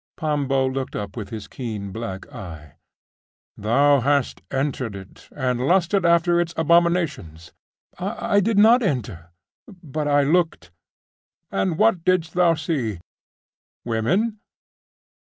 Pambo looked up with his keen black eye. 'Thou hast entered it, and lusted after its abominations.' 'I I did not enter; but I looked ' 'And what didst thou see? Women?